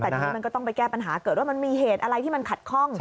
แต่ทีนี้มันก็ต้องไปแก้ปัญหาเกิดว่ามันมีเหตุอะไรที่มันขัดข้อง